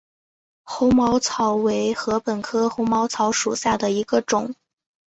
红毛草为禾本科红毛草属下的一个种。